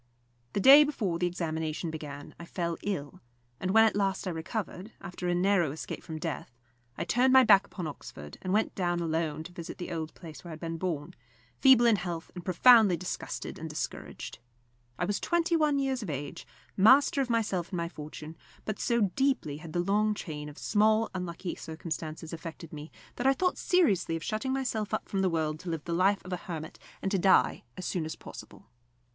The day before the examination began I fell ill; and when at last I recovered, after a narrow escape from death, I turned my back upon Oxford, and went down alone to visit the old place where I had been born, feeble in health and profoundly disgusted and discouraged. I was twenty one years of age, master of myself and of my fortune; but so deeply had the long chain of small unlucky circumstances affected me, that I thought seriously of shutting myself up from the world to live the life of a hermit, and to die as soon as possible.